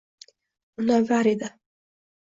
Munavvar edi.